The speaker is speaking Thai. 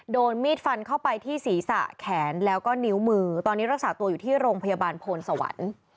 โดนมีดฟันเข้าไปที่ศีรษะแขนแล้วก็นิ้วมือตอนนี้รักษาตัวอยู่ที่โรงพยาบาลโพนสวรรค์